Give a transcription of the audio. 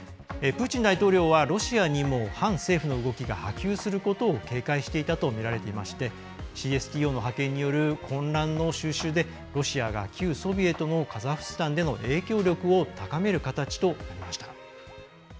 プーチン大統領はロシアにも反政府の動きが波及することを警戒していたとみられていましてＣＳＴＯの派遣による混乱の収拾でロシアが旧ソビエトのカザフスタンでの影響力を高める形となりました。